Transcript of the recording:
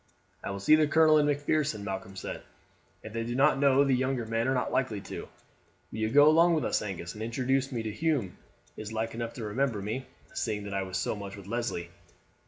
"I will see the colonel and Macpherson," Malcolm said; "if they do not know, the younger men are not likely to. Will you go along with us, Angus, and introduce me, though Hume is like enough to remember me, seeing that I was so much with Leslie?"